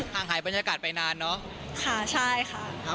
ห่างหายบรรยากาศไปนานเนอะค่ะใช่ค่ะครับ